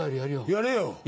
やれよ。